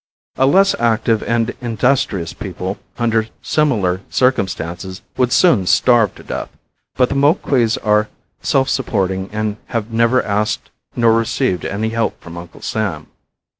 A less active and industrious people, under similar circumstances, would soon starve to death, but the Moquis are self supporting and have never asked nor received any help from Uncle Sam.